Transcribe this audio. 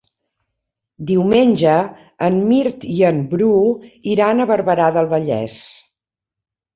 Diumenge en Mirt i en Bru iran a Barberà del Vallès.